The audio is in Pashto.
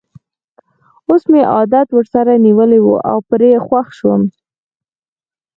اوس مې عادت ورسره نیولی وو او پرې خوښ وم.